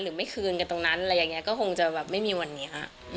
หรือไม่คืนกันตรงนั้นก็คงจะไม่มีวันนี้